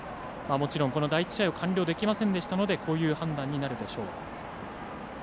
もちろん、この第１試合完了できませんでしたのでこういう判断になるでしょう。